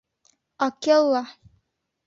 Акела!